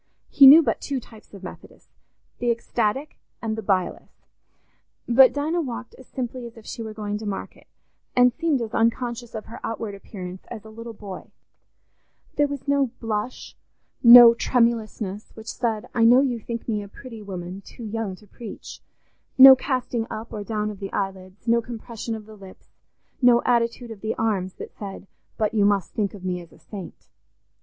He knew but two types of Methodist—the ecstatic and the bilious. But Dinah walked as simply as if she were going to market, and seemed as unconscious of her outward appearance as a little boy: there was no blush, no tremulousness, which said, "I know you think me a pretty woman, too young to preach"; no casting up or down of the eyelids, no compression of the lips, no attitude of the arms that said, "But you must think of me as a saint."